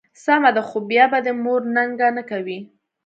سمه ده، خو بیا به د مور ننګه نه کوې.